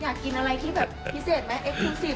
อยากกินอะไรที่แบบพิเศษไหมเอคกรุสิฟท์ไหม